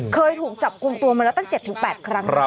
เคยถูกจับกลุ่มตัวมาแล้วตั้ง๗๘ครั้ง